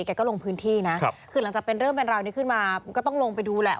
แกก็ลงพื้นที่นะคือหลังจากเป็นเรื่องเป็นราวนี้ขึ้นมาก็ต้องลงไปดูแหละ